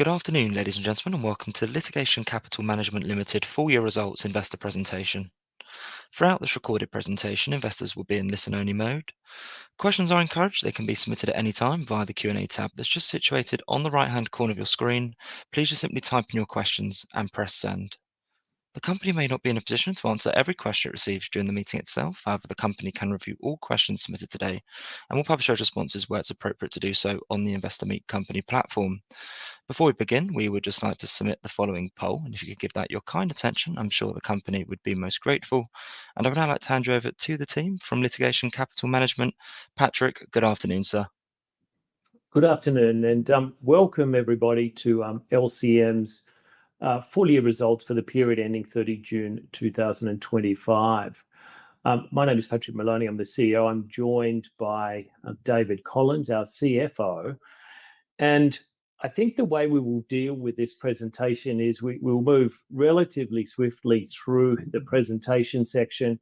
Good afternoon, ladies and gentlemen, and welcome to the Litigation Capital Management Limited full-year results investor presentation. Throughout this recorded presentation, investors will be in listen-only mode. Questions are encouraged. They can be submitted at any time via the Q&A tab that's just situated on the right-hand corner of your screen. Please just simply type in your questions and press send. The company may not be in a position to answer every question it receives during the meeting itself. However, the company can review all questions submitted today and will publish those responses where it's appropriate to do so on the Investor Meet Company platform. Before we begin, we would just like to submit the following poll, and if you could give that your kind attention, I'm sure the company would be most grateful. And I would now like to hand you over to the team from Litigation Capital Management. Patrick, good afternoon, sir. Good afternoon, and welcome everybody to LCM's full-year results for the period ending 30 June 2025. My name is Patrick Moloney. I'm the CEO. I'm joined by David Collins, our CFO. And I think the way we will deal with this presentation is we will move relatively swiftly through the presentation section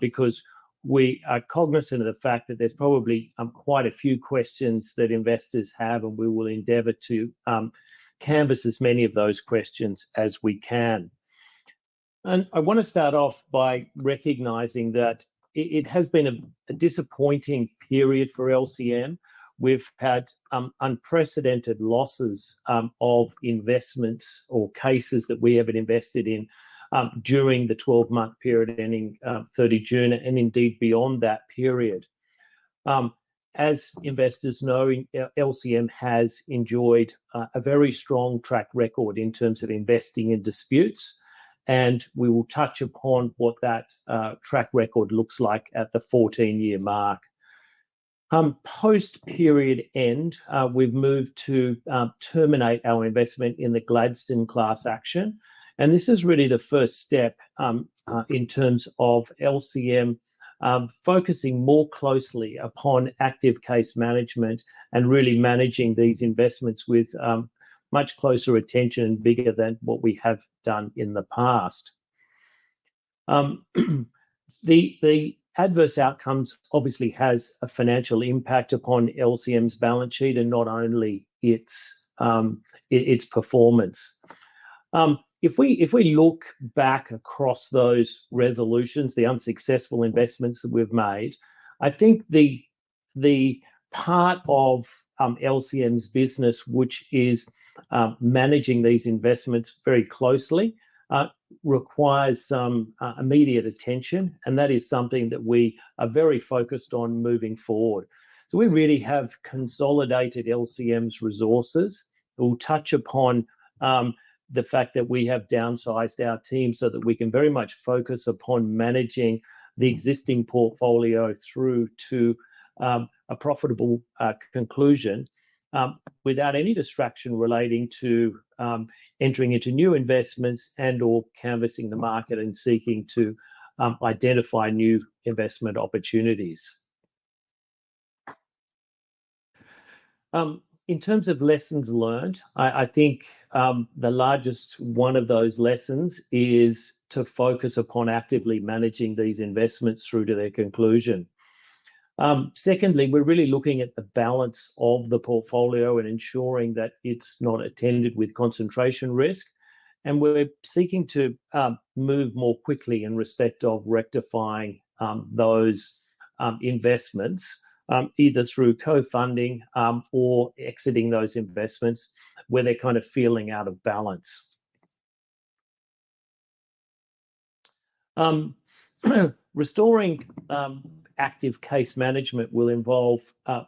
because we are cognizant of the fact that there's probably quite a few questions that investors have, and we will endeavour to canvass as many of those questions as we can. And I want to start off by recognising that it has been a disappointing period for LCM. We've had unprecedented losses of investments or cases that we haven't invested in during the 12-month period ending 30 June and indeed beyond that period. As investors know, LCM has enjoyed a very strong track record in terms of investing in disputes, and we will touch upon what that track record looks like at the 14-year mark. Post-period end, we've moved to terminate our investment in the Gladstone class action, and this is really the first step in terms of LCM focusing more closely upon active case management and really managing these investments with much closer attention and bigger than what we have done in the past. The adverse outcomes obviously have a financial impact upon LCM's balance sheet and not only its performance. If we look back across those resolutions, the unsuccessful investments that we've made, I think the part of LCM's business, which is managing these investments very closely, requires some immediate attention, and that is something that we are very focused on moving forward, so we really have consolidated LCM's resources. We'll touch upon the fact that we have downsized our team so that we can very much focus upon managing the existing portfolio through to a profitable conclusion without any distraction relating to entering into new investments and/or canvassing the market and seeking to identify new investment opportunities. In terms of lessons learned, I think the largest one of those lessons is to focus upon actively managing these investments through to their conclusion. Secondly, we're really looking at the balance of the portfolio and ensuring that it's not attended with concentration risk, and we're seeking to move more quickly in respect of rectifying those investments, either through co-funding or exiting those investments where they're kind of feeling out of balance. Restoring active case management will involve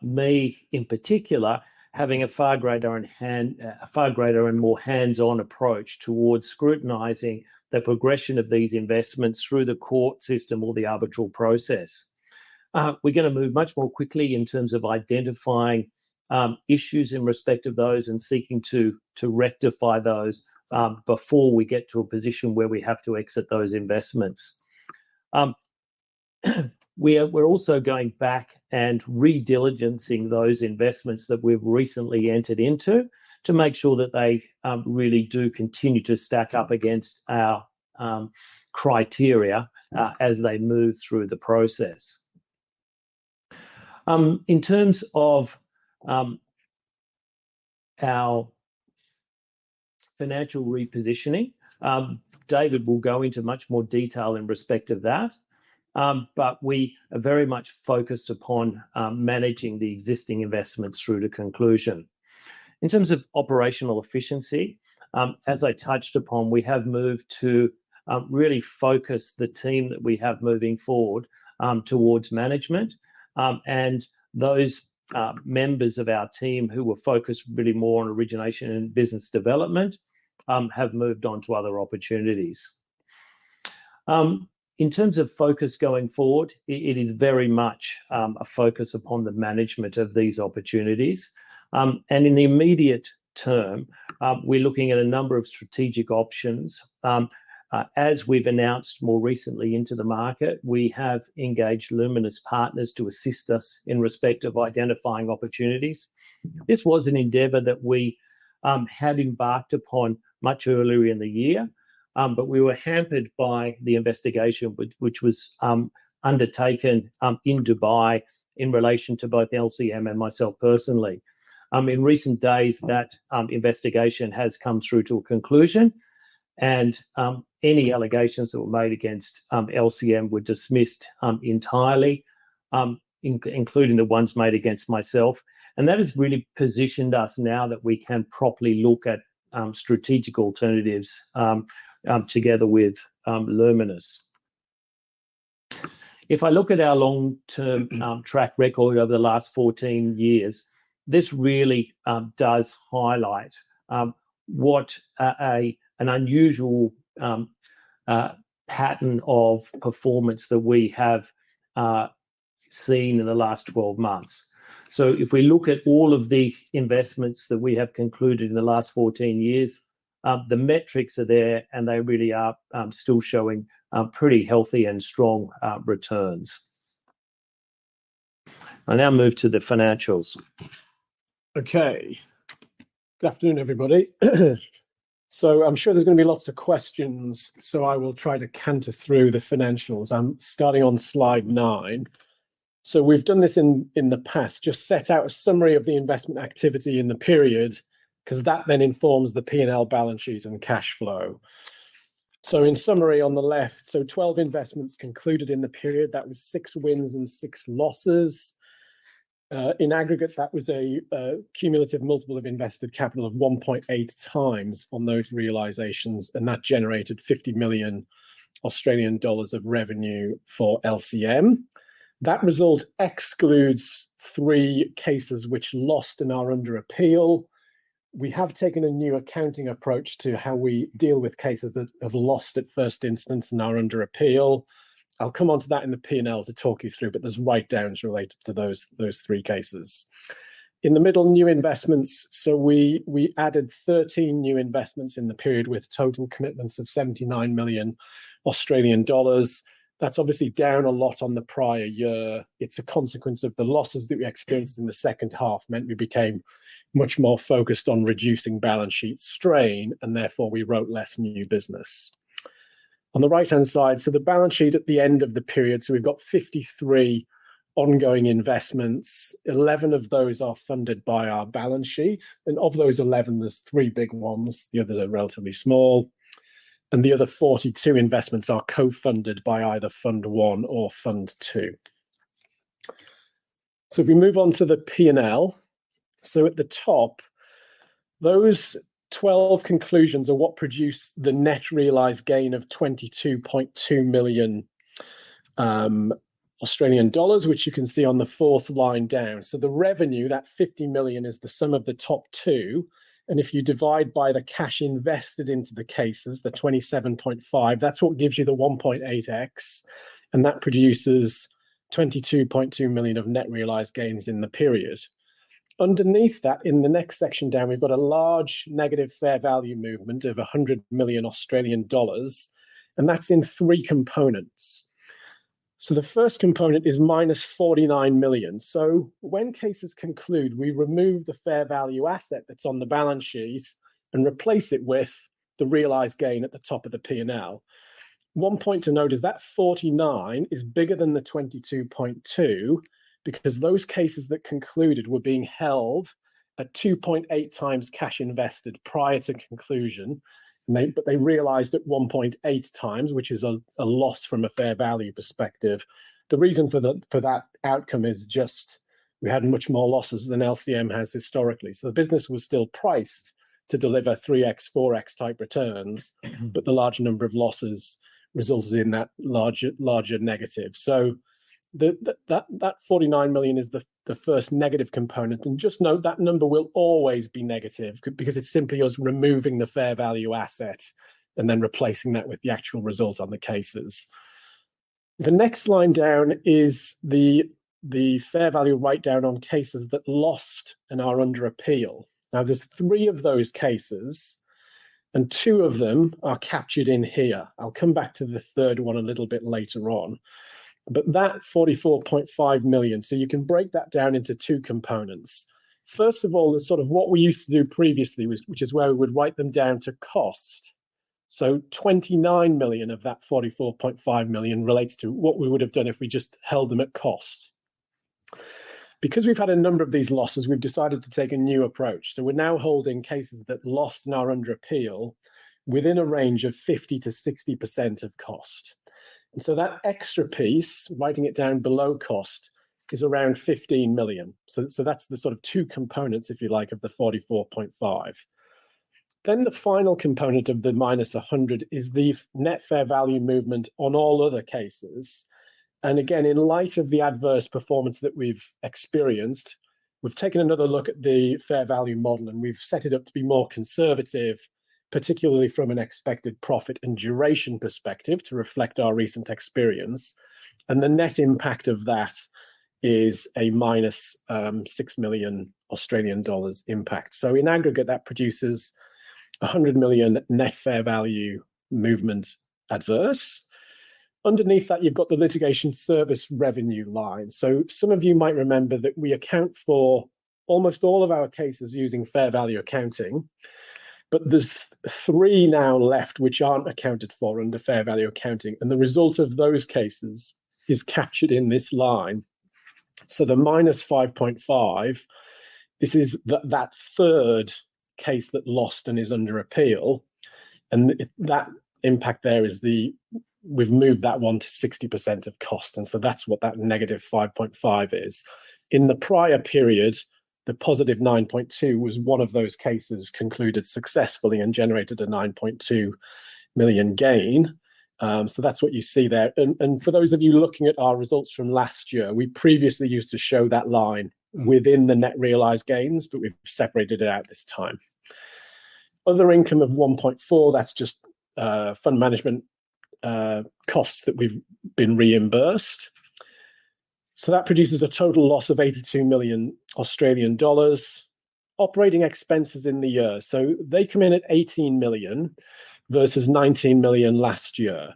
me, in particular, having a far greater and more hands-on approach towards scrutinizing the progression of these investments through the court system or the arbitral process. We're going to move much more quickly in terms of identifying issues in respect of those and seeking to rectify those before we get to a position where we have to exit those investments. We're also going back and re-diligencing those investments that we've recently entered into to make sure that they really do continue to stack up against our criteria as they move through the process. In terms of our financial repositioning, David will go into much more detail in respect of that, but we are very much focused upon managing the existing investments through to conclusion. In terms of operational efficiency, as I touched upon, we have moved to really focus the team that we have moving forward towards management, and those members of our team who were focused really more on origination and business development have moved on to other opportunities. In terms of focus going forward, it is very much a focus upon the management of these opportunities. And in the immediate term, we're looking at a number of strategic options. As we've announced more recently into the market, we have engaged Luminis Partners to assist us in respect of identifying opportunities. This was an endeavour that we had embarked upon much earlier in the year, but we were hampered by the investigation which was undertaken in Dubai in relation to both LCM and myself personally. In recent days, that investigation has come through to a conclusion, and any allegations that were made against LCM were dismissed entirely, including the ones made against myself. And that has really positioned us now that we can properly look at strategic alternatives together with Luminis. If I look at our long-term track record over the last 14 years, this really does highlight what an unusual pattern of performance that we have seen in the last 12 months. So if we look at all of the investments that we have concluded in the last 14 years, the metrics are there, and they really are still showing pretty healthy and strong returns. I'll now move to the financials. Okay. Good afternoon, everybody. So I'm sure there's going to be lots of questions, so I will try to canter through the financials. I'm starting on slide nine. So we've done this in the past, just set out a summary of the investment activity in the period because that then informs the P&L balance sheet and cash flow. So in summary, on the left, so 12 investments concluded in the period. That was six wins and six losses. In aggregate, that was a cumulative multiple of invested capital of 1.8 times on those realizations, and that generated 50 million Australian dollars of revenue for LCM. That result excludes three cases which lost and are under appeal. We have taken a new accounting approach to how we deal with cases that have lost at first instance and are under appeal. I'll come on to that in the P&L to talk you through, but there's write-downs related to those three cases. In the middle, new investments. So we added 13 new investments in the period with total commitments of 79 million Australian dollars. That's obviously down a lot on the prior year. It's a consequence of the losses that we experienced in the second half, meant we became much more focused on reducing balance sheet strain, and therefore we wrote less new business. On the right-hand side, so the balance sheet at the end of the period, so we've got 53 ongoing investments. 11 of those are funded by our balance sheet. And of those 11, there's three big ones. The others are relatively small. And the other 42 investments are co-funded by either Fund I or Fund II. If we move on to the P&L, so at the top, those 12 conclusions are what produce the net realized gain of 22.2 million Australian dollars, which you can see on the fourth line down. So the revenue, that 50 million, is the sum of the top two. And if you divide by the cash invested into the cases, the 27.5, that's what gives you the 1.8x, and that produces 22.2 million of net realized gains in the period. Underneath that, in the next section down, we've got a large negative fair value movement of 100 million Australian dollars, and that's in three components. So the first component is 49 million. So when cases conclude, we remove the fair value asset that's on the balance sheet and replace it with the realized gain at the top of the P&L. One point to note is that 49 is bigger than the 22.2 because those cases that concluded were being held at 2.8 times cash invested prior to conclusion, but they realised at 1.8 times, which is a loss from a fair value perspective. The reason for that outcome is just we had much more losses than LCM has historically. So the business was still priced to deliver 3x, 4x type returns, but the large number of losses resulted in that larger negative. So that 49 million is the first negative component, and just note that number will always be negative because it's simply us removing the fair value asset and then replacing that with the actual result on the cases. The next line down is the fair value write-down on cases that lost and are under appeal. Now, there are three of those cases, and two of them are captured in here. I'll come back to the third one a little bit later on. But that 44.5 million, so you can break that down into two components. First of all, sort of what we used to do previously, which is where we would write them down to cost. So 29 million of that 44.5 million relates to what we would have done if we just held them at cost. Because we've had a number of these losses, we've decided to take a new approach. So we're now holding cases that lost and are under appeal within a range of 50%-60% of cost. And so that extra piece, writing it down below cost, is around 15 million. So that's the sort of two components, if you like, of the 44.5. Then the final component of the minus 100 is the net fair value movement on all other cases. And again, in light of the adverse performance that we've experienced, we've taken another look at the fair value model, and we've set it up to be more conservative, particularly from an expected profit and duration perspective to reflect our recent experience. And the net impact of that is a minus 6 million Australian dollars impact. So in aggregate, that produces 100 million net fair value movement adverse. Underneath that, you've got the litigation service revenue line. So some of you might remember that we account for almost all of our cases using fair value accounting, but there's three now left which aren't accounted for under fair value accounting, and the result of those cases is captured in this line. The minus 5.5, this is that third case that lost and is under appeal. And that impact there is that we've moved that one to 60% of cost, and so that's what that negative 5.5 is. In the prior period, the positive 9.2 was one of those cases concluded successfully and generated a 9.2 million gain. So that's what you see there. And for those of you looking at our results from last year, we previously used to show that line within the net realised gains, but we've separated it out this time. Other income of 1.4, that's just fund management costs that we've been reimbursed. So that produces a total loss of 82 million Australian dollars. Operating expenses in the year. So they come in at 18 million versus 19 million last year.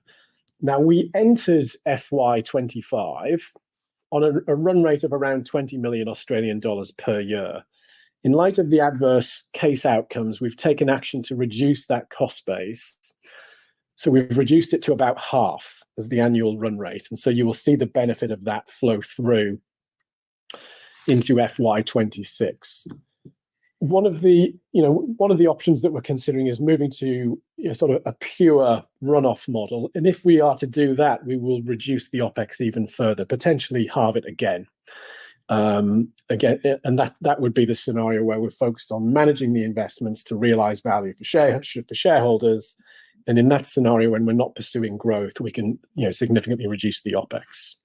Now, we entered FY25 on a run rate of around 20 million Australian dollars per year. In light of the adverse case outcomes, we've taken action to reduce that cost base. So we've reduced it to about half as the annual run rate. And so you will see the benefit of that flow through into FY26. One of the options that we're considering is moving to sort of a pure run-off model. And if we are to do that, we will reduce the OpEx even further, potentially halve it again. And that would be the scenario where we're focused on managing the investments to realize value for shareholders. And in that scenario, when we're not pursuing growth, we can significantly reduce the OpEx.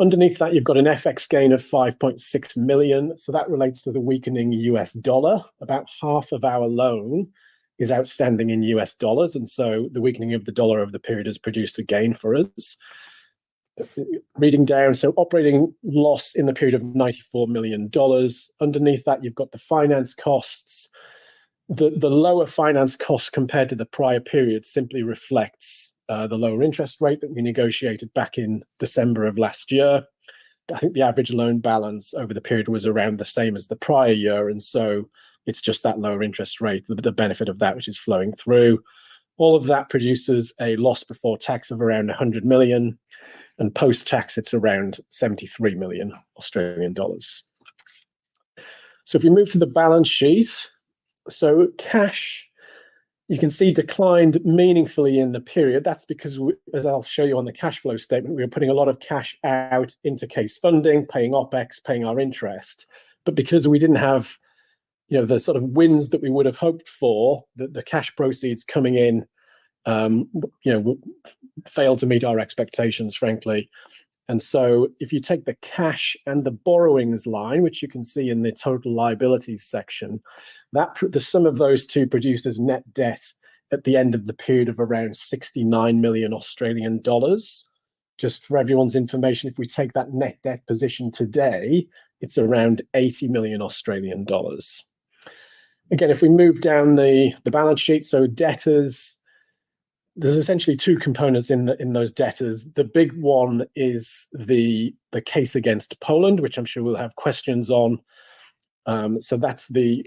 Underneath that, you've got an FX gain of 5.6 million. So that relates to the weakening US dollar. About half of our loan is outstanding in US dollars, and so the weakening of the dollar over the period has produced a gain for us. Reading down, so operating loss in the period of 94 million dollars. Underneath that, you've got the finance costs. The lower finance cost compared to the prior period simply reflects the lower interest rate that we negotiated back in December of last year. I think the average loan balance over the period was around the same as the prior year, and so it's just that lower interest rate, the benefit of that, which is flowing through. All of that produces a loss before tax of around 100 million, and post-tax, it's around 73 million Australian dollars. So if we move to the balance sheet, so cash, you can see declined meaningfully in the period. That's because, as I'll show you on the cash flow statement, we were putting a lot of cash out into case funding, paying OpEx, paying our interest, but because we didn't have the sort of wins that we would have hoped for, the cash proceeds coming in failed to meet our expectations, frankly, and so if you take the cash and the borrowings line, which you can see in the total liabilities section, the sum of those two produces net debt at the end of the period of around 69 million Australian dollars. Just for everyone's information, if we take that net debt position today, it's around 80 million Australian dollars. Again, if we move down the balance sheet, so debtors, there's essentially two components in those debtors. The big one is the case against Poland, which I'm sure we'll have questions on, so that's the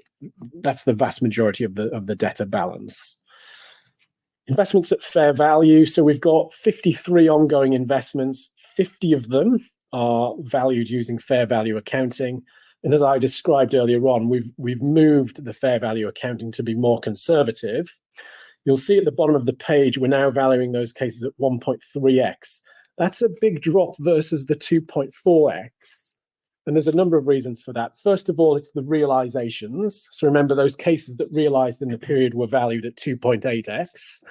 vast majority of the debtor balance. Investments at fair value, so we've got 53 ongoing investments. 50 of them are valued using fair value accounting. And as I described earlier on, we've moved the fair value accounting to be more conservative. You'll see at the bottom of the page, we're now valuing those cases at AUD 1.3x. That's a big drop versus the AUD 2.4x. And there's a number of reasons for that. First of all, it's the realizations. So remember, those cases that realized in the period were valued at AUD 2.8x.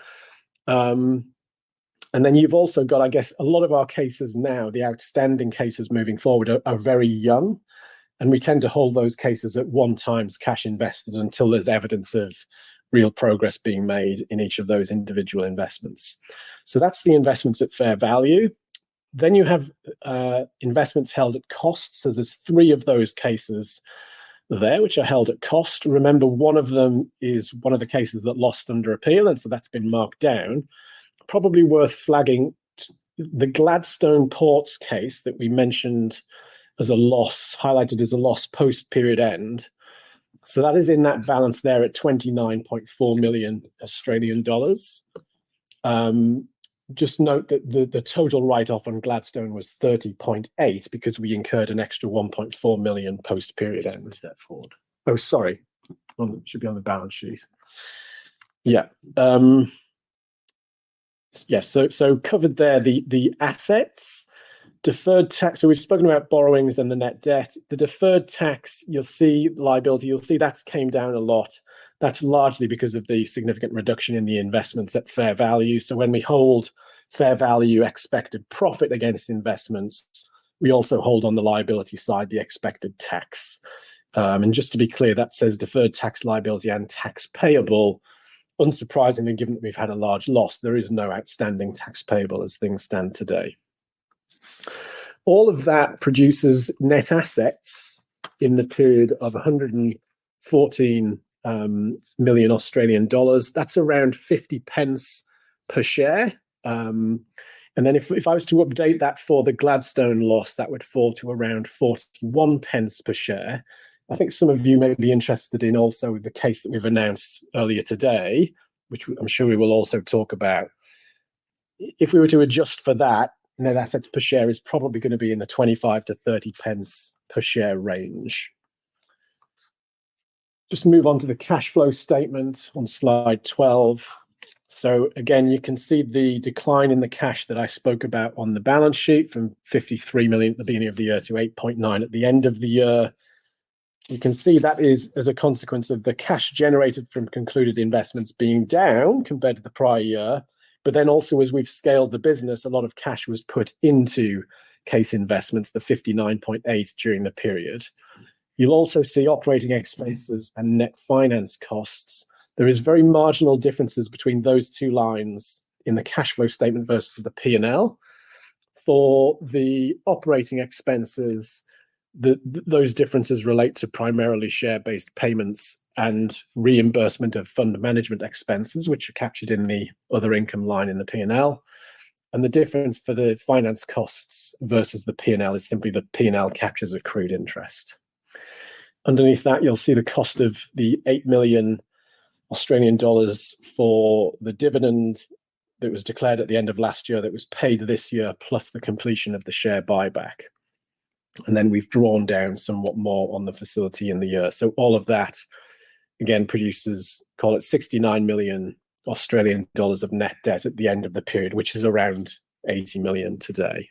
And then you've also got, I guess, a lot of our cases now, the outstanding cases moving forward, are very young. And we tend to hold those cases at one times cash invested until there's evidence of real progress being made in each of those individual investments. So that's the investments at fair value. Then you have investments held at cost. So there's three of those cases there which are held at cost. Remember, one of them is one of the cases that lost under appeal, and so that's been marked down. Probably worth flagging the Gladstone Ports case that we mentioned as a loss, highlighted as a loss post-period end. So that is in that balance there at 29.4 million Australian dollars. Just note that the total write-off on Gladstone was 30.8 because we incurred an extra 1.4 million post-period end. Oh, sorry. It should be on the balance sheet. Yeah. Yeah. So covered there, the assets, deferred tax. So we've spoken about borrowings and the net debt. The deferred tax, you'll see liability, you'll see that's came down a lot. That's largely because of the significant reduction in the investments at fair value. When we hold fair value expected profit against investments, we also hold on the liability side the expected tax. And just to be clear, that says deferred tax liability and tax payable. Unsurprisingly, given that we've had a large loss, there is no outstanding tax payable as things stand today. All of that produces net assets in the period of 114 million Australian dollars. That's around 50 pence per share. And then if I was to update that for the Gladstone loss, that would fall to around 41 pence per share. I think some of you may be interested in also the case that we've announced earlier today, which I'm sure we will also talk about. If we were to adjust for that, net assets per share is probably going to be in the 25 - 30 pence per share range. Just move on to the cash flow statement on slide 12. So again, you can see the decline in the cash that I spoke about on the balance sheet from 53 million at the beginning of the year to 8.9 at the end of the year. You can see that is as a consequence of the cash generated from concluded investments being down compared to the prior year. But then also, as we've scaled the business, a lot of cash was put into case investments, the 59.8 during the period. You'll also see operating expenses and net finance costs. There are very marginal differences between those two lines in the cash flow statement versus the P&L. For the operating expenses, those differences relate to primarily share-based payments and reimbursement of fund management expenses, which are captured in the other income line in the P&L. And the difference for the finance costs versus the P&L is simply the P&L captures accrued interest. Underneath that, you'll see the cost of the 8 million Australian dollars for the dividend that was declared at the end of last year that was paid this year, plus the completion of the share buyback. And then we've drawn down somewhat more on the facility in the year. So all of that, again, produces, call it 69 million Australian dollars of net debt at the end of the period, which is around 80 million today.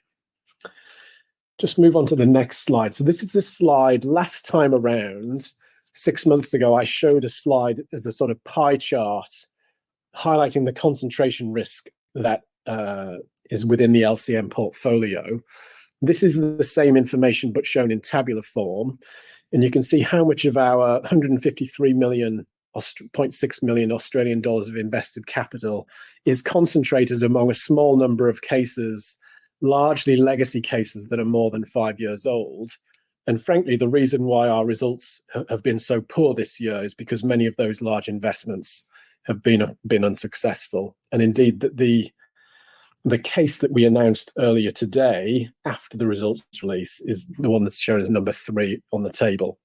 Just move on to the next slide. So this is the slide last time around. Six months ago, I showed a slide as a sort of pie chart highlighting the concentration risk that is within the LCM portfolio. This is the same information, but shown in tabular form. You can see how much of our 153.6 million Australian dollars of invested capital is concentrated among a small number of cases, largely legacy cases that are more than five years old. Frankly, the reason why our results have been so poor this year is because many of those large investments have been unsuccessful. Indeed, the case that we announced earlier today after the results release is the one that's shown as number three on the table.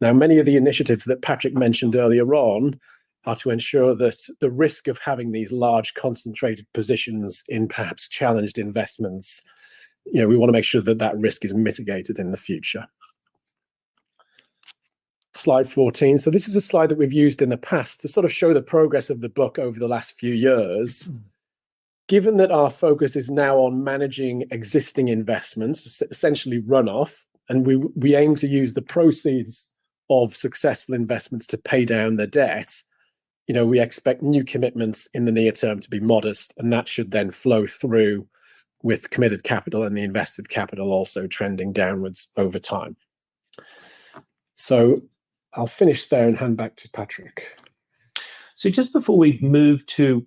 Now, many of the initiatives that Patrick mentioned earlier on are to ensure that the risk of having these large concentrated positions in perhaps challenged investments, you know, we want to make sure that that risk is mitigated in the future. Slide 14. So this is a slide that we've used in the past to sort of show the progress of the book over the last few years. Given that our focus is now on managing existing investments, essentially run-off, and we aim to use the proceeds of successful investments to pay down the debt, you know, we expect new commitments in the near term to be modest, and that should then flow through with committed capital and the invested capital also trending downwards over time. So I'll finish there and hand back to Patrick. So just before we move to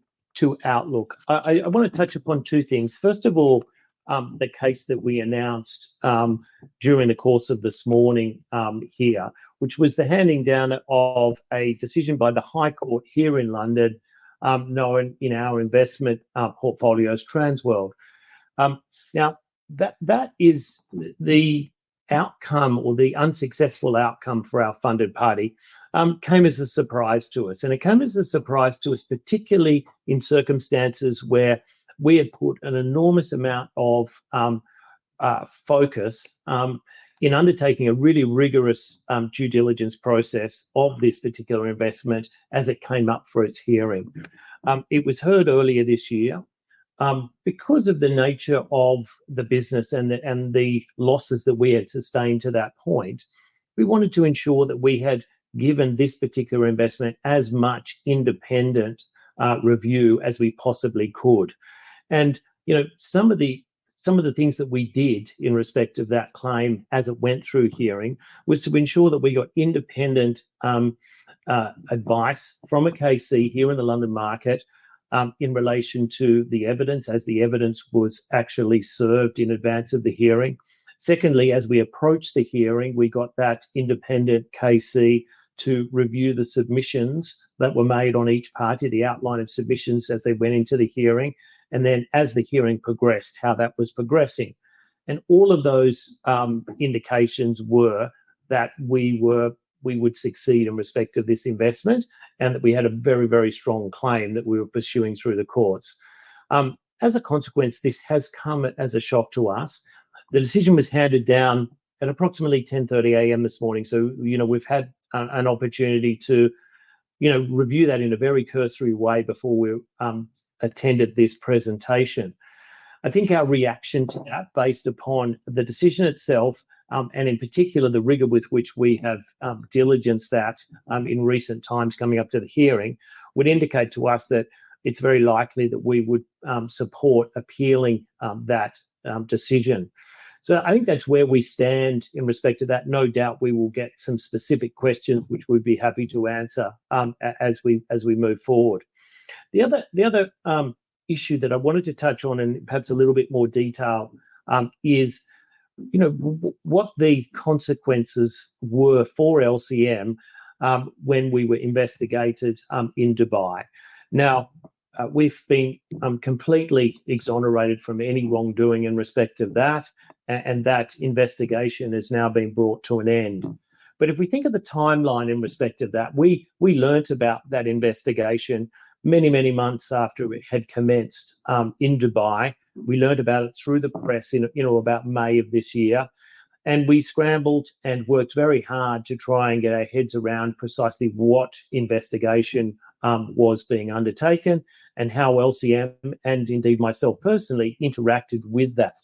Outlook, I want to touch upon two things. First of all, the case that we announced during the course of this morning here, which was the handing down of a decision by the High Court here in London, known in our investment portfolios, Transworld. Now, that is the outcome, or the unsuccessful outcome, for our funded party came as a surprise to us, and it came as a surprise to us, particularly in circumstances where we had put an enormous amount of focus in undertaking a really rigorous due diligence process of this particular investment as it came up for its hearing. It was heard earlier this year. Because of the nature of the business and the losses that we had sustained to that point, we wanted to ensure that we had given this particular investment as much independent review as we possibly could. You know, some of the things that we did in respect of that claim as it went through hearing was to ensure that we got independent advice from a KC here in the London market in relation to the evidence as the evidence was actually served in advance of the hearing. Secondly, as we approached the hearing, we got that independent KC to review the submissions that were made on each party, the outline of submissions as they went into the hearing, and then as the hearing progressed, how that was progressing. All of those indications were that we would succeed in respect of this investment and that we had a very, very strong claim that we were pursuing through the courts. As a consequence, this has come as a shock to us. The decision was handed down at approximately 10:30 A.M. this morning. So, you know, we've had an opportunity to, you know, review that in a very cursory way before we attended this presentation. I think our reaction to that, based upon the decision itself, and in particular the rigor with which we have diligenced that in recent times coming up to the hearing, would indicate to us that it's very likely that we would support appealing that decision. So I think that's where we stand in respect to that. No doubt we will get some specific questions, which we'd be happy to answer as we move forward. The other issue that I wanted to touch on in perhaps a little bit more detail is, you know, what the consequences were for LCM when we were investigated in Dubai. Now, we've been completely exonerated from any wrongdoing in respect of that, and that investigation has now been brought to an end. But if we think of the timeline in respect of that, we learned about that investigation many, many months after it had commenced in Dubai. We learned about it through the press in about May of this year. And we scrambled and worked very hard to try and get our heads around precisely what investigation was being undertaken and how LCM and indeed myself personally interacted with that.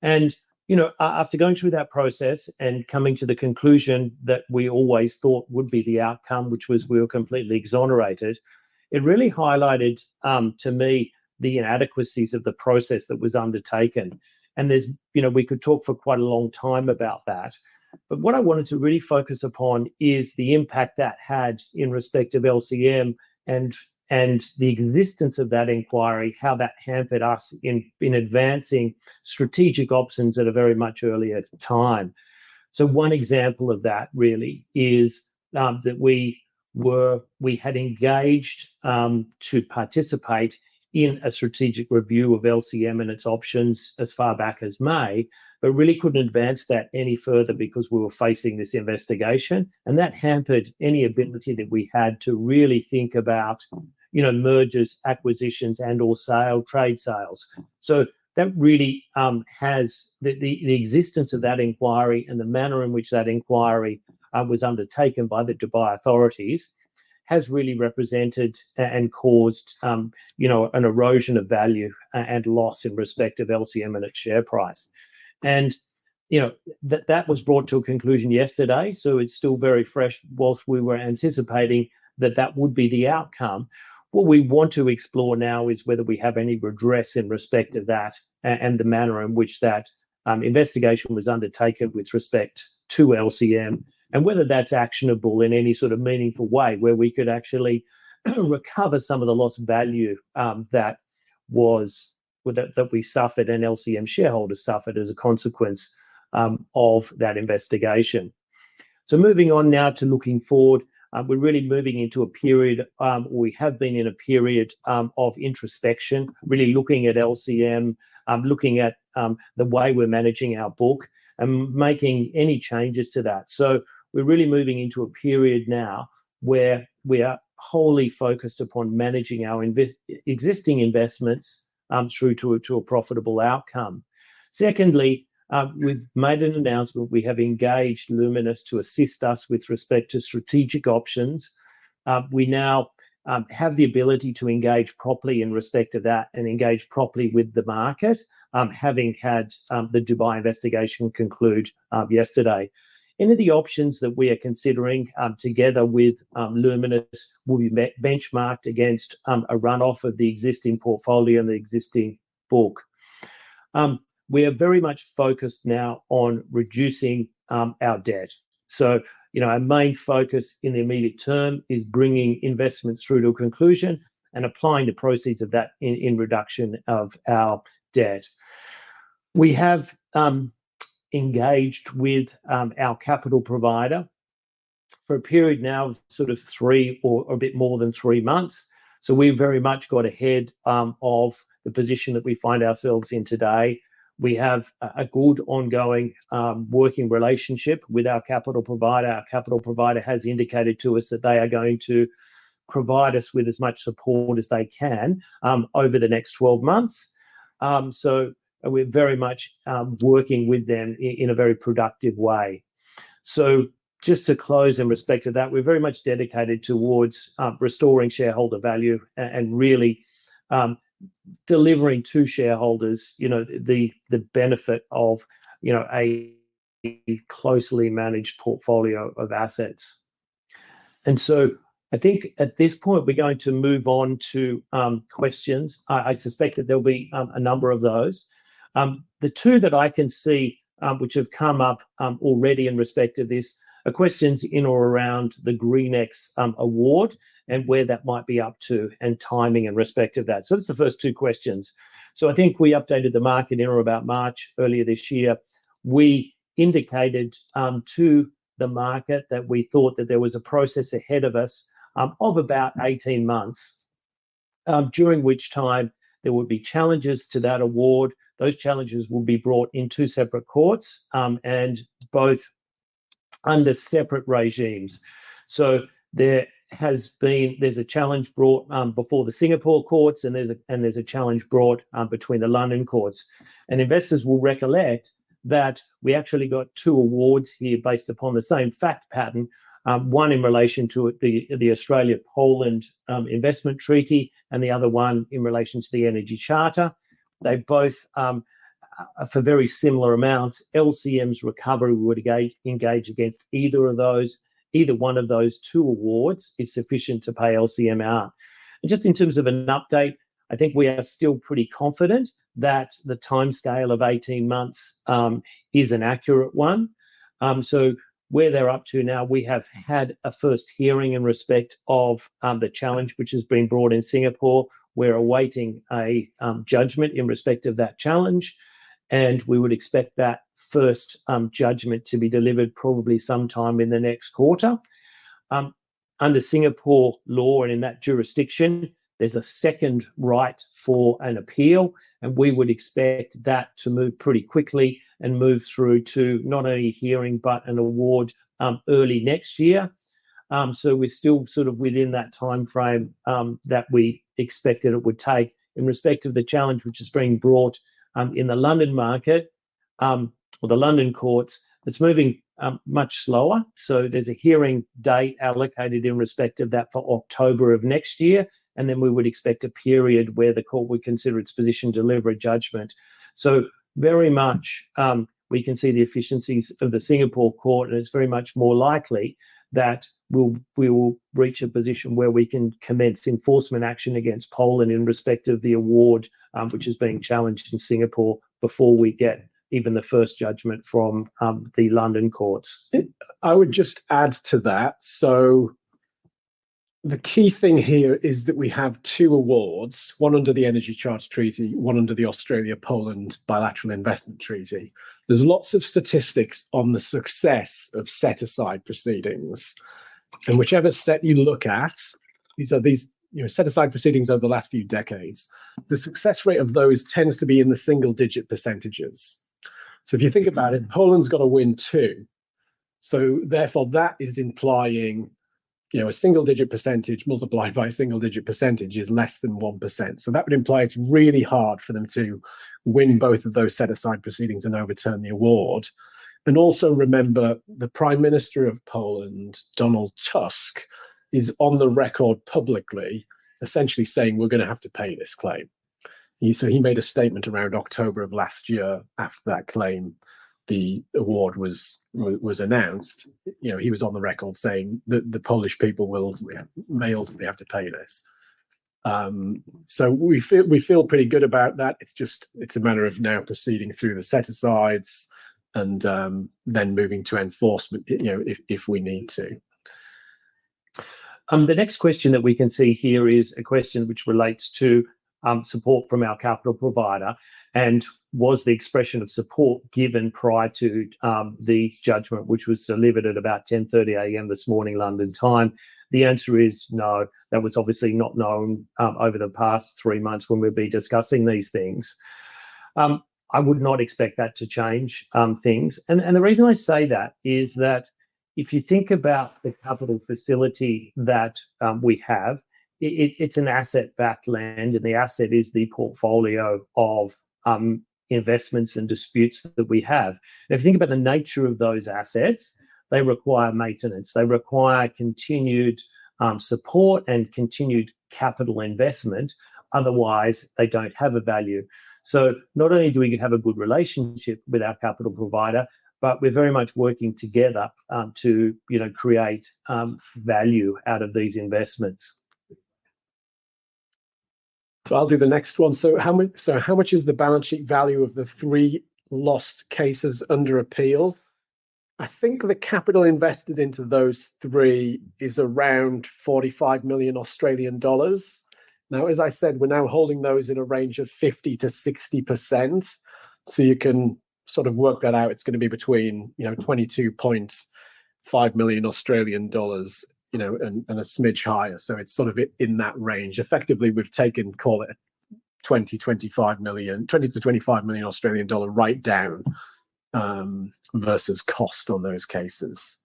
And, you know, after going through that process and coming to the conclusion that we always thought would be the outcome, which was we were completely exonerated, it really highlighted to me the inadequacies of the process that was undertaken. And there's, you know, we could talk for quite a long time about that. What I wanted to really focus upon is the impact that had in respect of LCM and the existence of that inquiry, how that hampered us in advancing strategic options at a very much earlier time. One example of that really is that we had engaged to participate in a strategic review of LCM and its options as far back as May, but really couldn't advance that any further because we were facing this investigation. That hampered any ability that we had to really think about, you know, mergers, acquisitions, and/or trades. The existence of that inquiry and the manner in which that inquiry was undertaken by the Dubai authorities has really represented and caused, you know, an erosion of value and loss in respect of LCM and its share price. You know, that was brought to a conclusion yesterday, so it's still very fresh while we were anticipating that that would be the outcome. What we want to explore now is whether we have any redress in respect of that and the manner in which that investigation was undertaken with respect to LCM and whether that's actionable in any sort of meaningful way where we could actually recover some of the loss of value that we suffered and LCM shareholders suffered as a consequence of that investigation. Moving on now to looking forward, we're really moving into a period, or we have been in a period of introspection, really looking at LCM, looking at the way we're managing our book and making any changes to that. So we're really moving into a period now where we are wholly focused upon managing our existing investments through to a profitable outcome. Secondly, we've made an announcement. We have engaged Luminis to assist us with respect to strategic options. We now have the ability to engage properly in respect of that and engage properly with the market, having had the Dubai investigation conclude yesterday. Any of the options that we are considering together with Luminis will be benchmarked against a run-off of the existing portfolio and the existing book. We are very much focused now on reducing our debt. So, you know, our main focus in the immediate term is bringing investments through to a conclusion and applying the proceeds of that in reduction of our debt. We have engaged with our capital provider for a period now of sort of three or a bit more than three months. So we've very much got ahead of the position that we find ourselves in today. We have a good ongoing working relationship with our capital provider. Our capital provider has indicated to us that they are going to provide us with as much support as they can over the next 12 months. So we're very much working with them in a very productive way. So just to close in respect to that, we're very much dedicated towards restoring shareholder value and really delivering to shareholders, you know, the benefit of, you know, a closely managed portfolio of assets. And so I think at this point, we're going to move on to questions. I suspect that there'll be a number of those. The two that I can see which have come up already in respect of this are questions in or around the GreenX award and where that might be up to and timing in respect of that. So that's the first two questions. So I think we updated the market in or about March earlier this year. We indicated to the market that we thought that there was a process ahead of us of about 18 months, during which time there would be challenges to that award. Those challenges will be brought in two separate courts and both under separate regimes. So there has been, there's a challenge brought before the Singapore courts and there's a challenge brought before the London courts. Investors will recollect that we actually got two awards here based upon the same fact pattern, one in relation to the Australia-Poland Bilateral Investment Treaty and the other one in relation to the Energy Charter Treaty. They both, for very similar amounts, LCM's recovery would engage against either of those. Either one of those two awards is sufficient to pay LCM out. Just in terms of an update, I think we are still pretty confident that the timescale of 18 months is an accurate one. Where they're up to now, we have had a first hearing in respect of the challenge which has been brought in Singapore. We're awaiting a judgment in respect of that challenge. We would expect that first judgment to be delivered probably sometime in the next quarter. Under Singapore law and in that jurisdiction, there's a second right for an appeal. And we would expect that to move pretty quickly and move through to not only hearing, but an award early next year. So we're still sort of within that timeframe that we expected it would take in respect of the challenge which is being brought in the London market or the London courts. It's moving much slower. So there's a hearing date allocated in respect of that for October of next year. And then we would expect a period where the court would consider its position to deliver a judgment. So very much we can see the efficiencies of the Singapore court. And it's very much more likely that we will reach a position where we can commence enforcement action against Poland in respect of the award which is being challenged in Singapore before we get even the first judgment from the London courts. I would just add to that. So the key thing here is that we have two awards, one under the Energy Charter Treaty, one under the Australia-Poland Bilateral Investment Treaty. There's lots of statistics on the success of set-aside proceedings. And whichever set you look at, these set-aside proceedings over the last few decades. The success rate of those tends to be in the single-digit percentages. So if you think about it, Poland's got to win two. So therefore, that is implying, you know, a single-digit percentage multiplied by a single-digit percentage is less than 1%. So that would imply it's really hard for them to win both of those set-aside proceedings and overturn the award. Also remember, the Prime Minister of Poland, Donald Tusk, is on the record publicly essentially saying, "We're going to have to pay this claim." He made a statement around October of last year after that claim the award was announced. You know, he was on the record saying that the Polish people will ultimately have to pay this. We feel pretty good about that. It's just, it's a matter of now proceeding through the set-asides and then moving to enforcement, you know, if we need to. The next question that we can see here is a question which relates to support from our capital provider. Was the expression of support given prior to the judgment, which was delivered at about 10:30 A.M. this morning London time? The answer is no. That was obviously not known over the past three months when we've been discussing these things. I would not expect that to change things. And the reason I say that is that if you think about the capital facility that we have, it's an asset-backed loan. And the asset is the portfolio of investments and disputes that we have. If you think about the nature of those assets, they require maintenance. They require continued support and continued capital investment. Otherwise, they don't have a value. So not only do we have a good relationship with our capital provider, but we're very much working together to, you know, create value out of these investments. So I'll do the next one. So how much is the balance sheet value of the three lost cases under appeal? I think the capital invested into those three is around 45 million Australian dollars. Now, as I said, we're now holding those in a range of 50%-60%. You can sort of work that out. It's going to be between, you know, 22.5 million Australian dollars, you know, and a smidge higher. It's sort of in that range. Effectively, we've taken, call it 20 million-25 million Australian dollar write-down versus cost on those cases.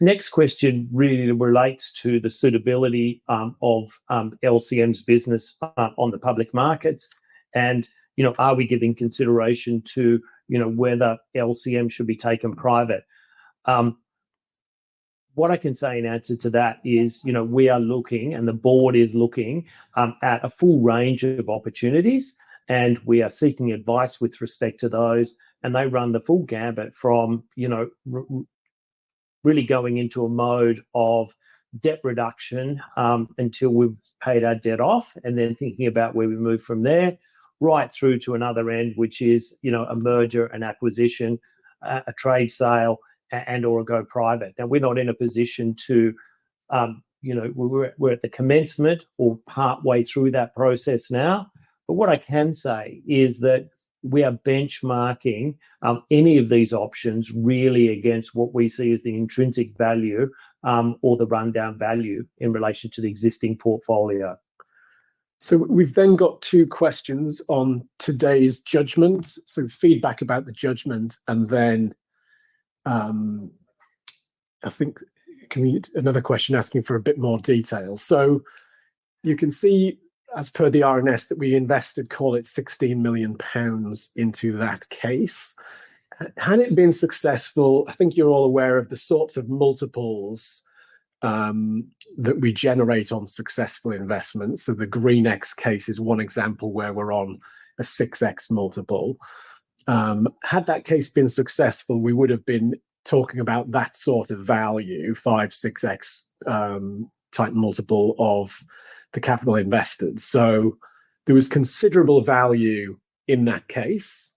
Next question really relates to the suitability of LCM's business on the public markets. You know, are we giving consideration to, you know, whether LCM should be taken private? What I can say in answer to that is, you know, we are looking and the Board is looking at a full range of opportunities. We are seeking advice with respect to those. They run the full gamut from, you know, really going into a mode of debt reduction until we've paid our debt off and then thinking about where we move from there right through to another end, which is, you know, a merger, an acquisition, a trade sale, and/or a go private. Now, we're not in a position to, you know, we're at the commencement or partway through that process now. But what I can say is that we are benchmarking any of these options really against what we see as the intrinsic value or the rundown value in relation to the existing portfolio. So we've then got two questions on today's judgment. So feedback about the judgment. And then I think another question asking for a bit more detail. So you can see as per the RNS that we invested, call it 16 million pounds into that case. Had it been successful, I think you're all aware of the sorts of multiples that we generate on successful investments. So the GreenX case is one example where we're on a 6X multiple. Had that case been successful, we would have been talking about that sort of value, 5-6X type multiple of the capital invested. So there was considerable value in that case.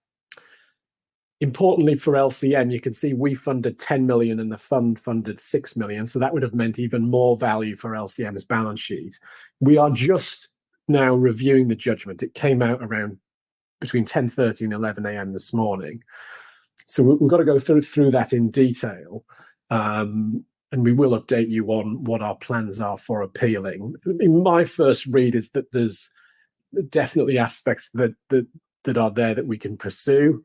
Importantly for LCM, you can see we funded 10 million and the fund funded 6 million. So that would have meant even more value for LCM's balance sheet. We are just now reviewing the judgment. It came out around between 10:30 A.M. and 11:00 A.M. this morning. So we've got to go through that in detail. And we will update you on what our plans are for appealing. My first read is that there's definitely aspects that are there that we can pursue.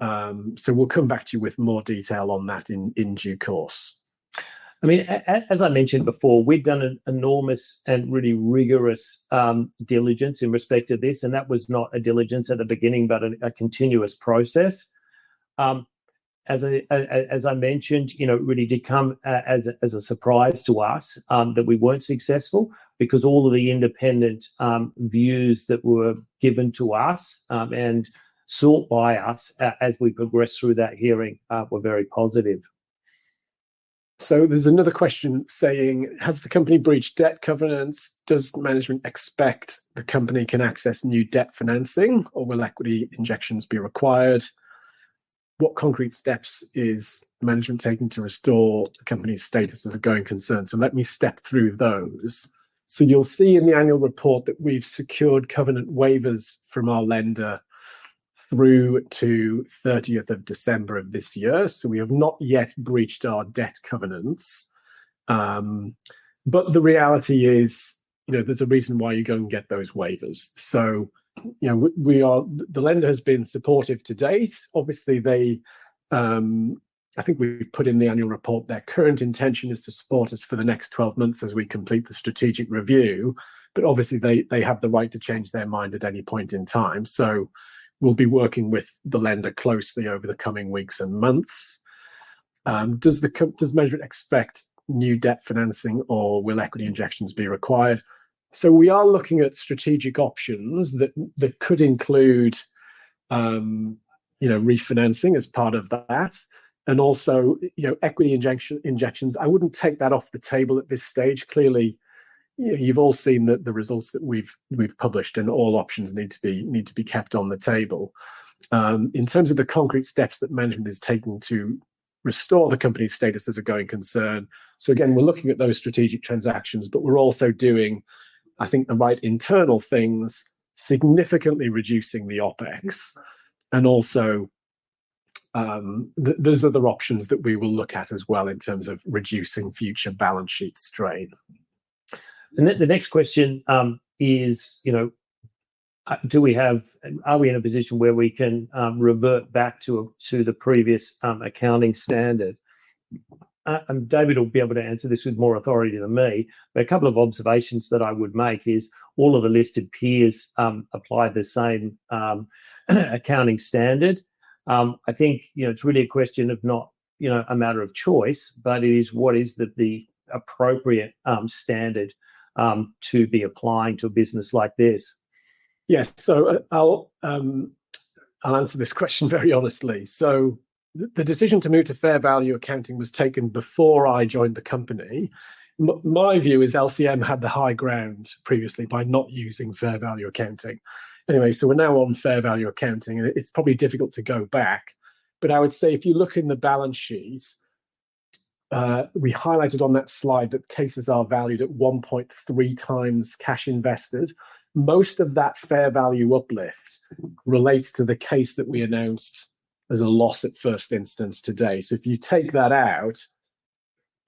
So we'll come back to you with more detail on that in due course. I mean, as I mentioned before, we've done an enormous and really rigorous diligence in respect to this. And that was not a diligence at the beginning, but a continuous process. As I mentioned, you know, it really did come as a surprise to us that we weren't successful because all of the independent views that were given to us and sought by us as we progressed through that hearing were very positive. So there's another question saying, has the company breached debt covenants? Does management expect the company can access new debt financing or will equity injections be required? What concrete steps is management taking to restore the company's status as a going concern? So let me step through those. So you'll see in the annual report that we've secured covenant waivers from our lender through to 30th of December of this year. So we have not yet breached our debt covenants. But the reality is, you know, there's a reason why you go and get those waivers. So, you know, the lender has been supportive to date. Obviously, they, I think we've put in the annual report, their current intention is to support us for the next 12 months as we complete the strategic review. But obviously, they have the right to change their mind at any point in time. So we'll be working with the lender closely over the coming weeks and months. Does management expect new debt financing or will equity injections be required? So we are looking at strategic options that could include, you know, refinancing as part of that. And also, you know, equity injections, I wouldn't take that off the table at this stage. Clearly, you've all seen the results that we've published and all options need to be kept on the table. In terms of the concrete steps that management is taking to restore the company's status as a going concern. So again, we're looking at those strategic transactions, but we're also doing, I think, the right internal things, significantly reducing the OpEx. And also those other options that we will look at as well in terms of reducing future balance sheet strain. And the next question is, you know, do we have, are we in a position where we can revert back to the previous accounting standard? David will be able to answer this with more authority than me. But a couple of observations that I would make is all of the listed peers apply the same accounting standard. I think, you know, it's really a question of not, you know, a matter of choice, but it is what is the appropriate standard to be applying to a business like this. Yes. So I'll answer this question very honestly. So the decision to move to fair value accounting was taken before I joined the company. My view is LCM had the high ground previously by not using fair value accounting. Anyway, so we're now on fair value accounting. And it's probably difficult to go back. But I would say if you look in the balance sheet, we highlighted on that slide that cases are valued at 1.3 times cash invested. Most of that fair value uplift relates to the case that we announced as a loss at first instance today. So if you take that out,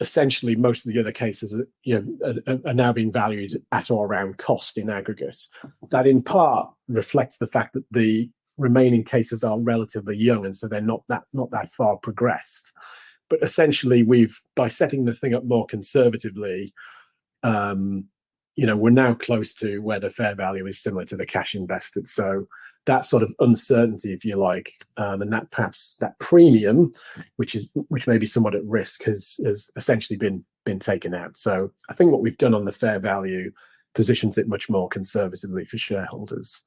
essentially most of the other cases, you know, are now being valued at or around cost in aggregate. That in part reflects the fact that the remaining cases are relatively young. And so they're not that far progressed. But essentially we've, by setting the thing up more conservatively, you know, we're now close to where the fair value is similar to the cash invested. So that sort of uncertainty, if you like, and that perhaps that premium, which may be somewhat at risk, has essentially been taken out. So I think what we've done on the fair value positions it much more conservatively for shareholders.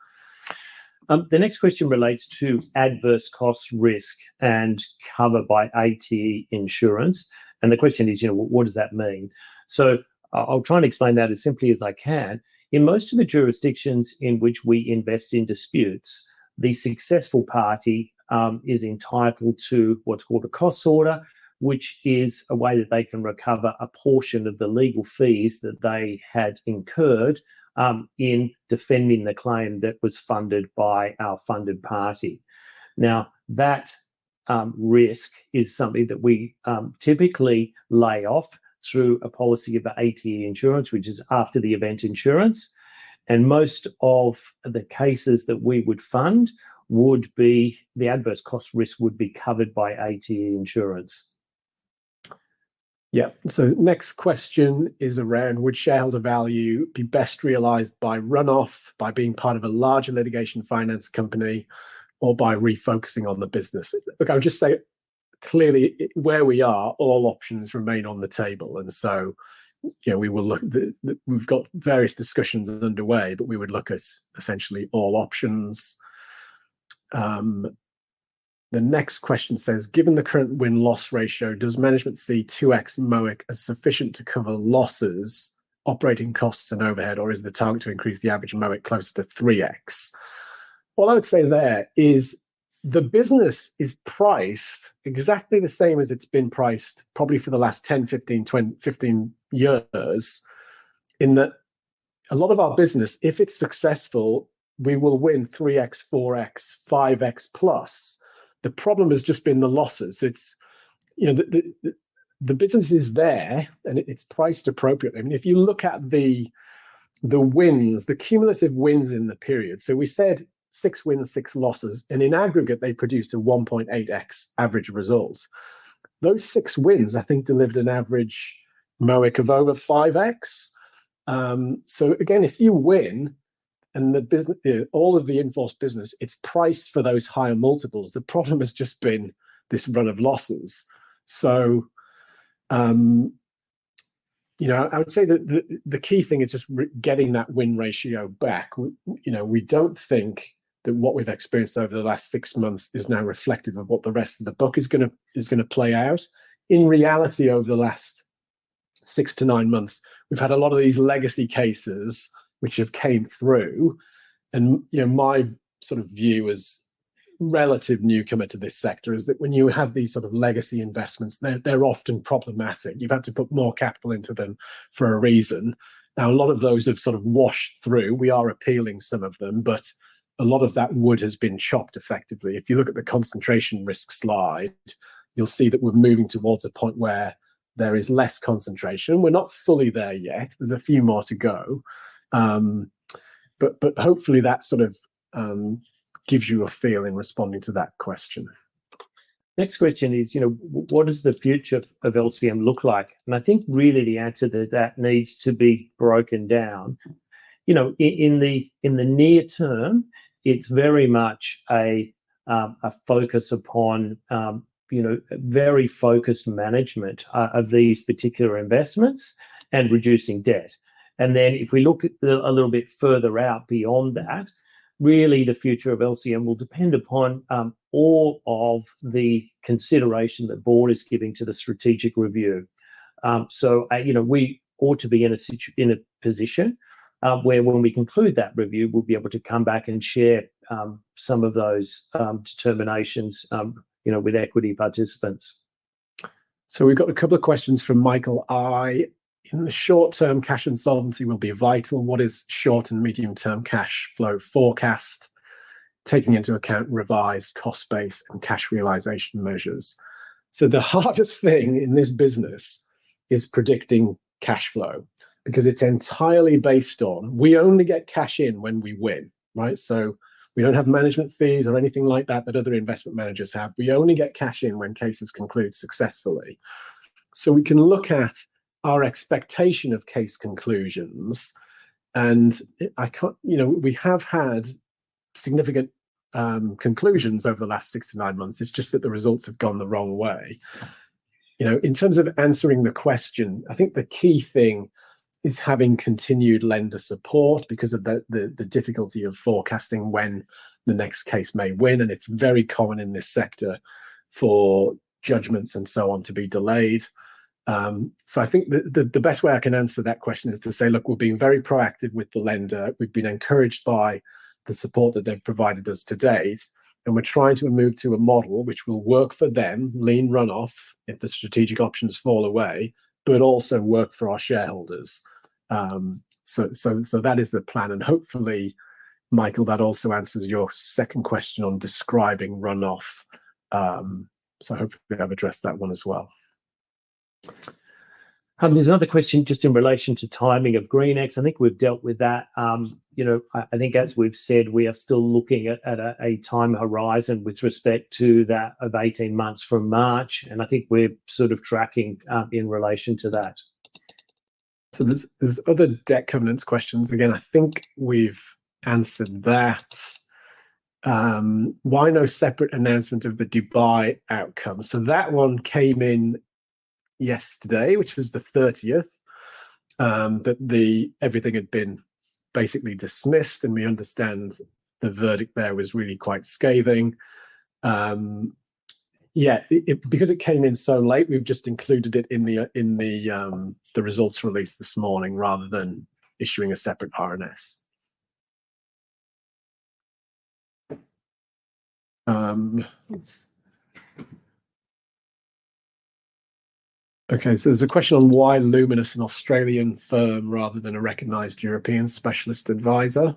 The next question relates to adverse cost risk and cover by ATE insurance. The question is, you know, what does that mean? I'll try and explain that as simply as I can. In most of the jurisdictions in which we invest in disputes, the successful party is entitled to what's called a cost order, which is a way that they can recover a portion of the legal fees that they had incurred in defending the claim that was funded by our funded party. Now, that risk is something that we typically lay off through a policy of ATE insurance, which is after-the-event insurance. Most of the cases that we would fund would be the adverse cost risk would be covered by ATE insurance. Yeah. Next question is around would shareholder value be best realized by run-off, by being part of a larger litigation finance company, or by refocusing on the business? Look, I would just say clearly where we are, all options remain on the table. And so, you know, we will look at the, we've got various discussions underway, but we would look at essentially all options. The next question says, given the current win-loss ratio, does management see 2X MOIC as sufficient to cover losses, operating costs, and overhead, or is the target to increase the average MOIC closer to 3X? Well, I would say there is the business is priced exactly the same as it's been priced probably for the last 10, 15, 15 years in that a lot of our business, if it's successful, we will win 3x, 4x, 5x plus. The problem has just been the losses. It's, you know, the business is there and it's priced appropriately. I mean, if you look at the wins, the cumulative wins in the period. So we said six wins, six losses. And in aggregate, they produced a 1.8x average result. Those six wins, I think, delivered an average MOIC of over 5x. So again, if you win and the business, all of the in-forced business, it's priced for those higher multiples. The problem has just been this run of losses. So, you know, I would say that the key thing is just getting that win ratio back. You know, we don't think that what we've experienced over the last six months is now reflective of what the rest of the book is going to play out. In reality, over the last six to nine months, we've had a lot of these legacy cases which have come through. And, you know, my sort of view as a relative newcomer to this sector is that when you have these sort of legacy investments, they're often problematic. You've had to put more capital into them for a reason. Now, a lot of those have sort of washed through. We are appealing some of them, but a lot of that wood has been chopped effectively. If you look at the concentration risk slide, you'll see that we're moving towards a point where there is less concentration. We're not fully there yet. There's a few more to go. But hopefully that sort of gives you a feeling, responding to that question. Next question is, you know, what does the future of LCM look like? And I think really the answer to that needs to be broken down. You know, in the near term, it's very much a focus upon, you know, very focused management of these particular investments and reducing debt. And then if we look a little bit further out beyond that, really the future of LCM will depend upon all of the consideration the Board is giving to the strategic review. So, you know, we ought to be in a position where when we conclude that review, we'll be able to come back and share some of those determinations, you know, with equity participants. So we've got a couple of questions from Michael. In the short term, cash and solvency will be vital. What is short and medium term cash flow forecast taking into account revised cost base and cash realization measures? So the hardest thing in this business is predicting cash flow because it's entirely based on we only get cash in when we win, right? So we don't have management fees or anything like that that other investment managers have. We only get cash in when cases conclude successfully. So we can look at our expectation of case conclusions. And I can't, you know, we have had significant conclusions over the last six to nine months. It's just that the results have gone the wrong way. You know, in terms of answering the question, I think the key thing is having continued lender support because of the difficulty of forecasting when the next case may win. And it's very common in this sector for judgments and so on to be delayed. So I think the best way I can answer that question is to say, look, we've been very proactive with the lender. We've been encouraged by the support that they've provided us to date. We're trying to move to a model which will work for them, lean run-off if the strategic options fall away, but also work for our shareholders. So that is the plan. And hopefully, Michael, that also answers your second question on describing run-off. So hopefully I've addressed that one as well. There's another question just in relation to timing of GreenX. I think we've dealt with that. You know, I think as we've said, we are still looking at a time horizon with respect to that of 18 months from March. And I think we're sort of tracking in relation to that. So there's other debt covenants questions. Again, I think we've answered that. Why no separate announcement of the Dubai outcome? So that one came in yesterday, which was the 30th, that everything had been basically dismissed. And we understand the verdict there was really quite scathing. Yeah, because it came in so late, we've just included it in the results released this morning rather than issuing a separate RNS. Okay, so there's a question on why Luminis, an Australian firm, rather than a recognized European specialist advisor?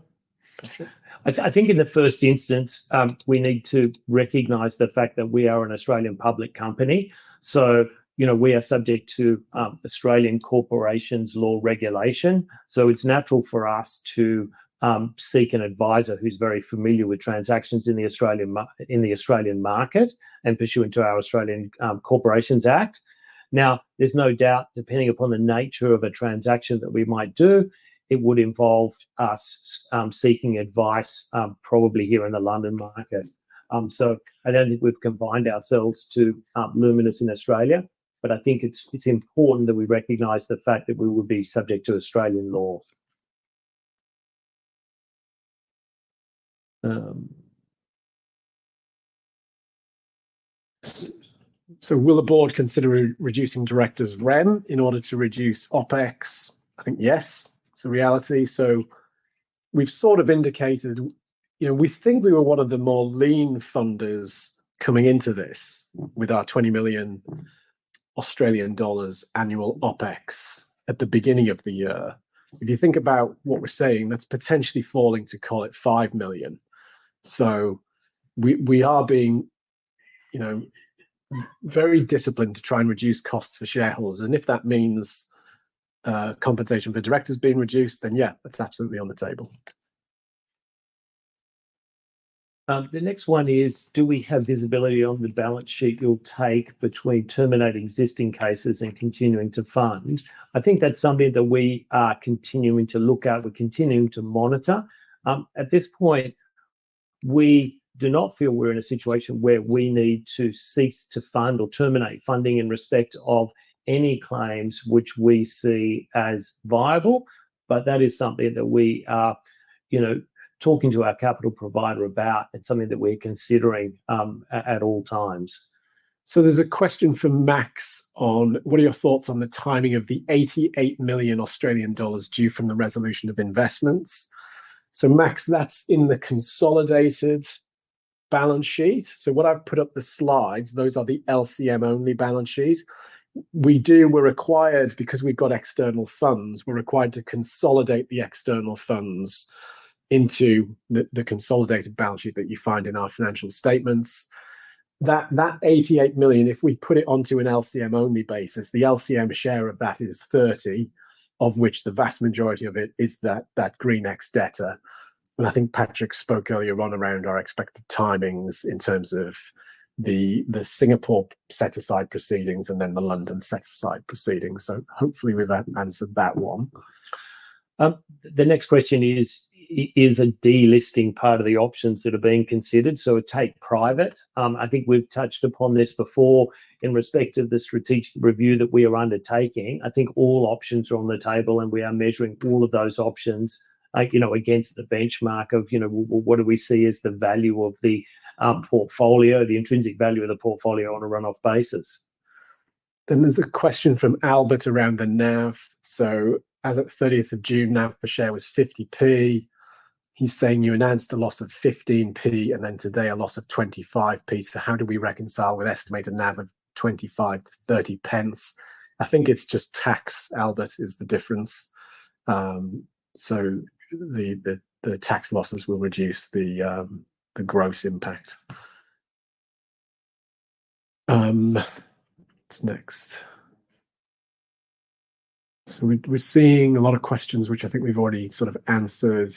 I think in the first instance, we need to recognize the fact that we are an Australian public company. So, you know, we are subject to Australian Corporations Law regulation. So it's natural for us to seek an advisor who's very familiar with transactions in the Australian market and pursuant to our Australian Corporations Act. Now, there's no doubt depending upon the nature of a transaction that we might do, it would involve us seeking advice probably here in the London market. I don't think we've confined ourselves to Luminis in Australia, but I think it's important that we recognize the fact that we would be subject to Australian law. Will the Board consider reducing directors' rem in order to reduce OpEx? I think yes, it's a reality. We've sort of indicated, you know, we think we were one of the more lean funders coming into this with our 20 million Australian dollars annual OpEx at the beginning of the year. If you think about what we're saying, that's potentially falling to call it 5 million. We are being, you know, very disciplined to try and reduce costs for shareholders. And if that means compensation for directors being reduced, then yeah, that's absolutely on the table. The next one is, do we have visibility on the balance sheet you'll take between terminating existing cases and continuing to fund? I think that's something that we are continuing to look at. We're continuing to monitor. At this point, we do not feel we're in a situation where we need to cease to fund or terminate funding in respect of any claims which we see as viable. But that is something that we are, you know, talking to our capital provider about. It's something that we're considering at all times. So there's a question from Max on what are your thoughts on the timing of the 88 million Australian dollars due from the resolution of investments? So Max, that's in the consolidated balance sheet. So what I've put up the slides, those are the LCM only balance sheet. We do, we're required because we've got external funds, we're required to consolidate the external funds into the consolidated balance sheet that you find in our financial statements. That 88 million, if we put it onto an LCM only basis, the LCM share of that is 30 million, of which the vast majority of it is that GreenX debt. And I think Patrick spoke earlier on around our expected timings in terms of the Singapore set-aside proceedings and then the London set-aside proceedings. So hopefully we've answered that one. The next question is, is a delisting part of the options that are being considered? So take-private. I think we've touched upon this before in respect of the strategic review that we are undertaking. I think all options are on the table and we are measuring all of those options, you know, against the benchmark of, you know, what do we see as the value of the portfolio, the intrinsic value of the portfolio on a run-off basis. Then there's a question from Albert around the NAV. So as of 30th of June, NAV per share was 0.50. He's saying you announced a loss of 0.15 and then today a loss of 0.25. So how do we reconcile with estimated NAV of 0.25 to 0.30? I think it's just tax, Albert, is the difference. So the tax losses will reduce the gross impact. Next. So we're seeing a lot of questions which I think we've already sort of answered.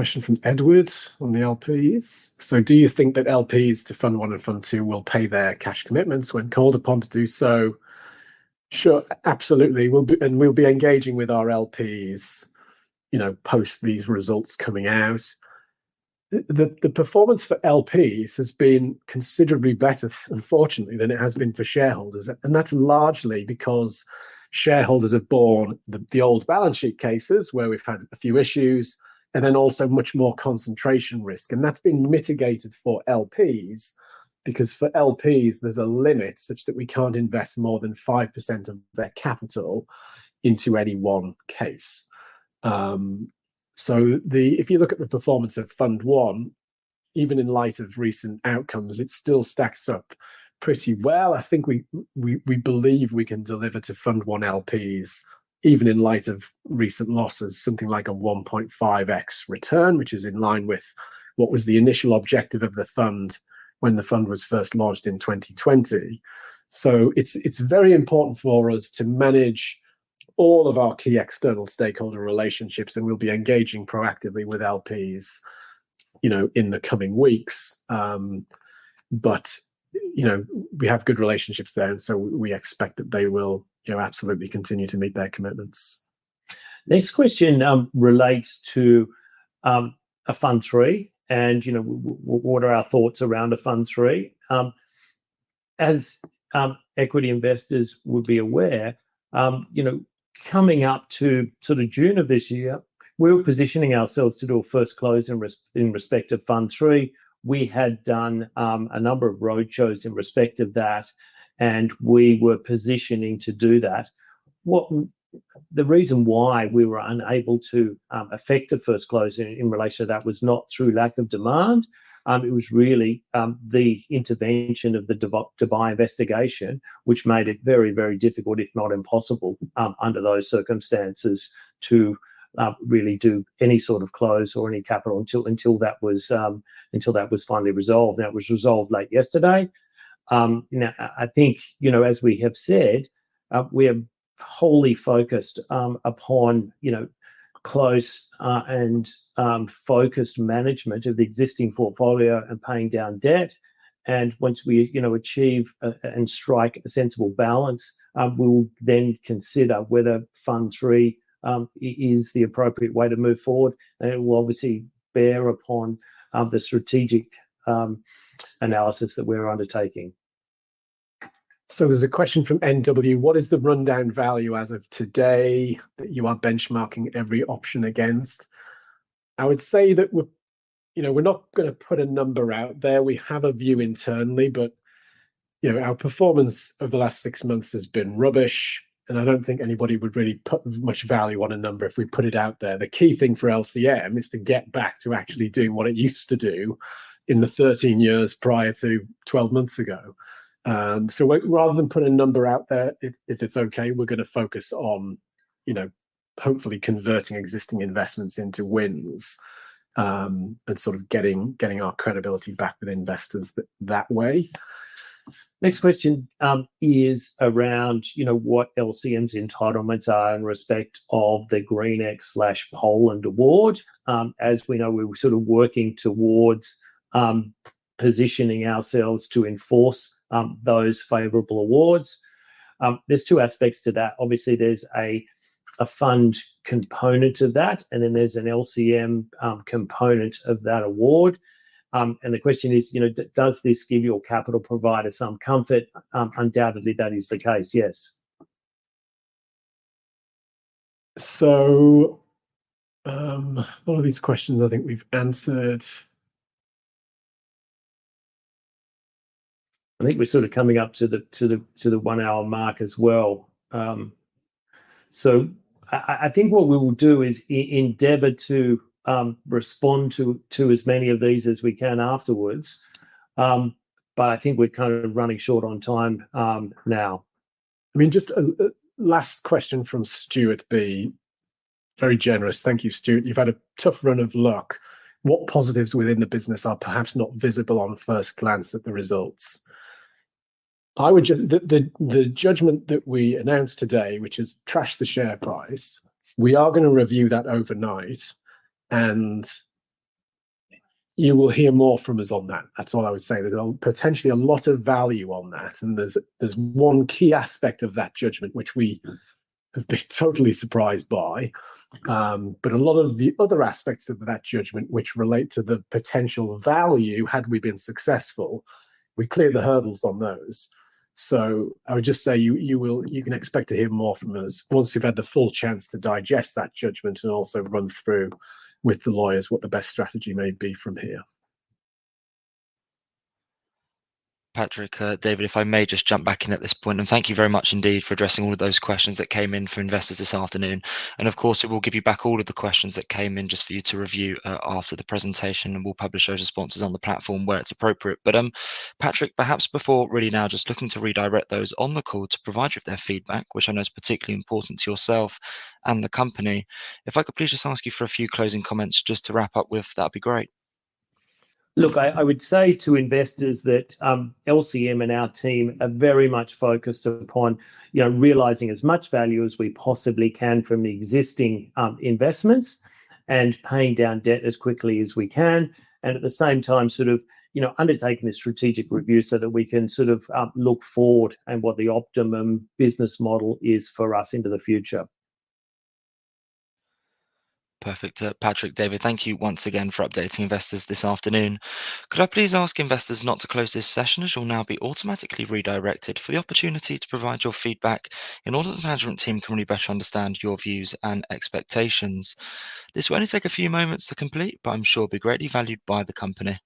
Question from Edward on the LPs. So do you think that LPs to Fund I and Fund II will pay their cash commitments when called upon to do so? Sure, absolutely. And we'll be engaging with our LPs, you know, post these results coming out. The performance for LPs has been considerably better, unfortunately, than it has been for shareholders. That's largely because shareholders have borne the old balance sheet cases where we've had a few issues and then also much more concentration risk. That's been mitigated for LPs because for LPs there's a limit such that we can't invest more than 5% of their capital into any one case. If you look at the performance of Fund I, even in light of recent outcomes, it still stacks up pretty well. I think we believe we can deliver to Fund I LPs even in light of recent losses, something like a 1.5x return, which is in line with what was the initial objective of the fund when the fund was first launched in 2020. It's very important for us to manage all of our key external stakeholder relationships and we'll be engaging proactively with LPs, you know, in the coming weeks. But, you know, we have good relationships there and so we expect that they will, you know, absolutely continue to meet their commitments. Next question relates to a Fund III and, you know, what are our thoughts around a Fund III? As equity investors would be aware, you know, coming up to sort of June of this year, we're positioning ourselves to do a first close in respect of Fund III. We had done a number of roadshows in respect of that and we were positioning to do that. The reason why we were unable to effect a first close in relation to that was not through lack of demand. It was really the intervention of the Dubai investigation, which made it very, very difficult, if not impossible, under those circumstances to really do any sort of close or any capital until that was finally resolved. That was resolved late yesterday. Now, I think, you know, as we have said, we are wholly focused upon, you know, close and focused management of the existing portfolio and paying down debt, and once we, you know, achieve and strike a sensible balance, we will then consider whether Fund III is the appropriate way to move forward, and it will obviously bear upon the strategic analysis that we're undertaking, so there's a question from NW. What is the run-off value as of today that you are benchmarking every option against? I would say that we're, you know, we're not going to put a number out there. We have a view internally, but, you know, our performance over the last six months has been rubbish, and I don't think anybody would really put much value on a number if we put it out there. The key thing for LCM is to get back to actually doing what it used to do in the 13 years prior to 12 months ago. So rather than put a number out there, if it's okay, we're going to focus on, you know, hopefully converting existing investments into wins and sort of getting our credibility back with investors that way. Next question is around, you know, what LCM's entitlements are in respect of the GreenX/Poland award. As we know, we're sort of working towards positioning ourselves to enforce those favorable awards. There's two aspects to that. Obviously, there's a fund component to that, and then there's an LCM component of that award. And the question is, you know, does this give your capital provider some comfort? Undoubtedly, that is the case, yes. So a lot of these questions I think we've answered. I think we're sort of coming up to the one hour mark as well. So I think what we will do is endeavor to respond to as many of these as we can afterwards. But I think we're kind of running short on time now. I mean, just a last question from Stuart B. Very generous. Thank you, Stuart. You've had a tough run of luck. What positives within the business are perhaps not visible on first glance at the results? I would just, the judgment that we announced today, which trashed the share price, we are going to review that overnight and you will hear more from us on that. That's all I would say. There's potentially a lot of value on that, and there's one key aspect of that judgment, which we have been totally surprised by. But a lot of the other aspects of that judgment, which relate to the potential value, had we been successful, we cleared the hurdles on those. So I would just say you will, you can expect to hear more from us once you've had the full chance to digest that judgment and also run through with the lawyers what the best strategy may be from here. Patrick, David, if I may just jump back in at this point and thank you very much indeed for addressing all of those questions that came in for investors this afternoon. And of course, we will give you back all of the questions that came in just for you to review after the presentation and we'll publish those responses on the platform where it's appropriate. But Patrick, perhaps before really now just looking to redirect those on the call to provide you with their feedback, which I know is particularly important to yourself and the company. If I could please just ask you for a few closing comments just to wrap up with, that'd be great. Look, I would say to investors that LCM and our team are very much focused upon, you know, realizing as much value as we possibly can from the existing investments and paying down debt as quickly as we can. And at the same time, sort of, you know, undertaking a strategic review so that we can sort of look forward and what the optimum business model is for us into the future. Perfect. Patrick, David, thank you once again for updating investors this afternoon. Could I please ask investors not to close this session as you'll now be automatically redirected for the opportunity to provide your feedback in order that the management team can really better understand your views and expectations. This will only take a few moments to complete, but I'm sure it'll be greatly valued by the company.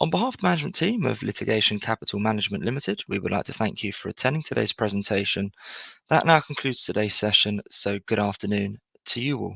On behalf of the management team of Litigation Capital Management Limited, we would like to thank you for attending today's presentation. That now concludes today's session, so good afternoon to you all.